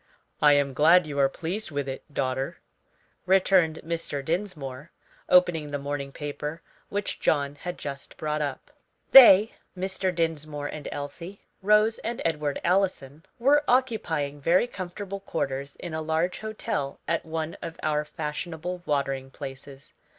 "I am glad you are pleased with it, daughter," returned Mr. Dinsmore, opening the morning paper, which John had just brought up. They Mr. Dinsmore and Elsie, Rose and Edward Allison were occupying very comfortable quarters in a large hotel at one of our fashionable watering places.